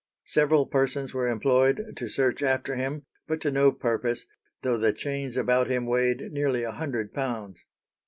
"Several persons were employed to search after him, but to no purpose, though the chains about him weighed nearly a hundred pounds."